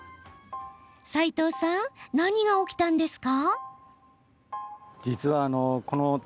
斉藤さん何が起きたんですか？